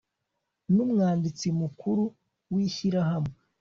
n umwanditsi mukuru w ishyirahamwe